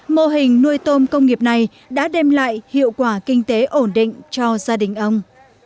mô hình nuôi tôm công nghiệp này đã đem lại hiệu quả kinh tế ổn định cho gia đình ông